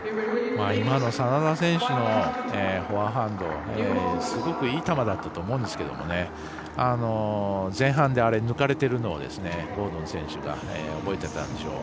今の眞田選手のフォアハンドすごくいい球だったと思うんですけど前半で抜かれているのをゴードン選手が覚えてたんでしょう。